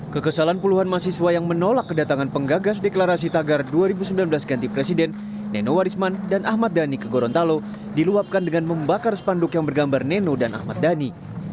kekesalan puluhan mahasiswa yang menolak kedatangan penggagas deklarasi tagar dua ribu sembilan belas ganti presiden neno warisman dan ahmad dhani ke gorontalo diluapkan dengan membakar spanduk yang bergambar neno dan ahmad dhani